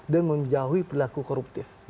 dan menjauhi berlaku koruptif